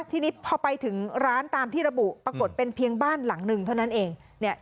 ทีนี้พอไปถึงร้านตามที่ระบุปรากฏเป็นเพียงบ้านหลังหนึ่งเท่านั้นเอง